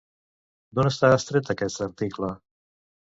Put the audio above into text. D'on està extret aquest article?